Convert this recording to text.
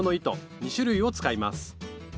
２種類を使います。